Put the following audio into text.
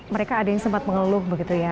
mereka ada yang sempat mengeluh begitu ya